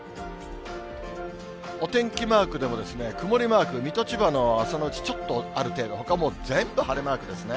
お天気マークでも、曇りマーク、水戸、千葉の朝のうち、ちょっとある程度、ほかもう全部晴れマークですね。